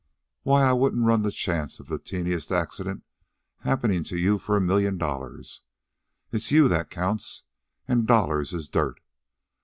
Why, I wouldn't run the chance of the teeniest accident happenin' to you for a million dollars. It's you that counts. An' dollars is dirt.